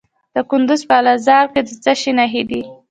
د کندز په قلعه ذال کې د څه شي نښې دي؟